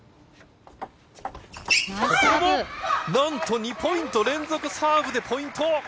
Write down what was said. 何と２ポイント連続サーブでポイント！